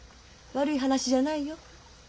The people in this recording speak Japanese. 悪い話じゃないよ。